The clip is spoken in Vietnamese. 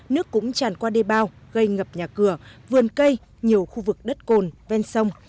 nước cũng tràn qua đê bao gây ngập nhà cửa vườn cây nhiều khu vực đất cồn ven sông